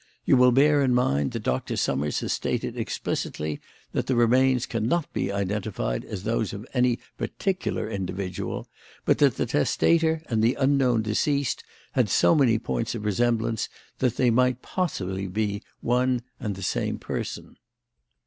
You will bear in mind that Doctor Summers has stated explicitly that the remains cannot be identified as those of any particular individual, but that the testator and the unknown deceased had so many points of resemblance that they might possibly be one and the same person.